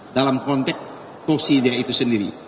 dalam konteks tosi dia itu sendiri